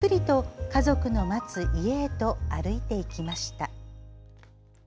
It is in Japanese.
ゆっくりと家族の待つ家へと歩いていきました。